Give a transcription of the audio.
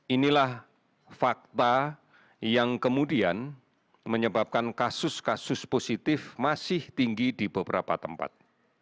inilah fakta yang kemudian menyebabkan kasus kasus positif masih tinggi di beberapa tempat